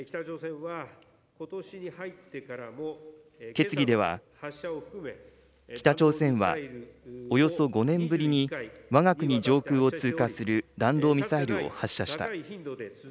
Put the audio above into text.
決議では北朝鮮は、およそ５年ぶりに、わが国上空を通過する弾道ミサイルを発射した。